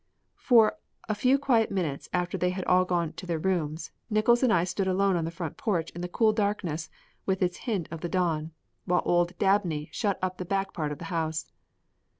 For a few quiet minutes after they had all gone to their rooms Nickols and I stood alone on the front porch in the cool darkness with its hint of the dawn, while old Dabney shut up the back part of the house.